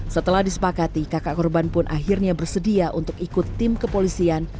setelah disepakati kakak korban pun akhirnya bersedia untuk ikut tim kepolisian